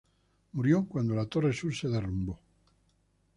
Murió cuando la torre sur se derrumbó.